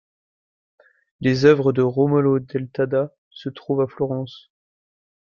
Les œuvres de Romolo del Tadda se trouvent à Florence.